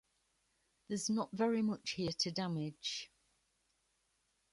There's not very much here to damage.